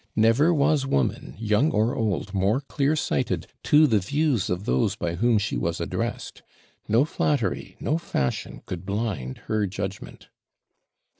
Never was woman, young or old, more clear sighted to the views of those by whom she was addressed. No flattery, no fashion, could blind her judgment.'